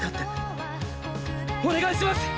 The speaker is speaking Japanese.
おねがいします！